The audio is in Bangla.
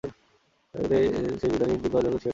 কিন্তু এখন সেই জিদানই লিপ্পির অর্জনকে ছুঁয়ে ফেললেন।